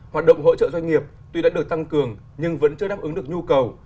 hoạt động hỗ trợ doanh nghiệp tuy đã được tăng cường nhưng vẫn chưa đáp ứng được nhu cầu